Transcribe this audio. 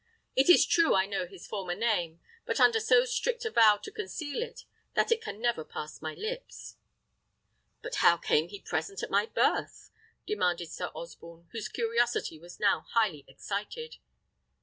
It is true I know his former name, but under so strict a vow to conceal it that it can never pass my lips." "But how came he present at my birth?" demanded Sir Osborne, whose curiosity was now highly excited.